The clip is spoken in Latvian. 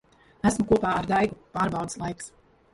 Esmu kopā ar Daigu. Pārbaudes laiks.